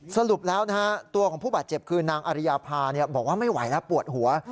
สรุปแล้วนะฮะตัวของผู้บาดเจ็บคือนางอริยาภาบอกว่าไม่ไหวแล้วปวดหัว